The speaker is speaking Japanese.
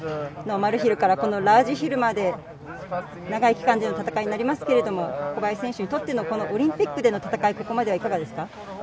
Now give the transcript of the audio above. ノーマルヒルからラージヒルまで長い期間での戦いになりますけれども、小林選手にとってのオリンピックでの戦いはここまでいかがですか？